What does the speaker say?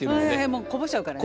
もうこぼしちゃうからね。